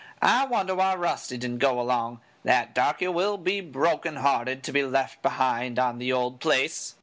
I wonder why Rusty didn't go along that darky will be broken hearted to be left behind on the old place."